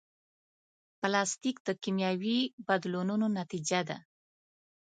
پلاستيک د کیمیاوي بدلونونو نتیجه ده.